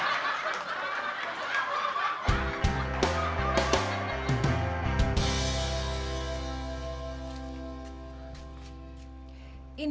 ini rumah bu mumun